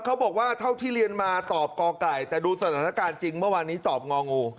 เขาบอกว่าเท่าที่เรียนมาตอบกไก่แต่ดูสถานการณ์จริงเมื่อวานนี้ตอบงองู